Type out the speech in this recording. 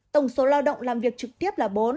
tổng số lao động làm việc trực tiếp là bốn